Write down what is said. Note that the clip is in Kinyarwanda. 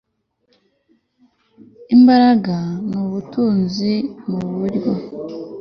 imbaraga n ubutunzi mu buryo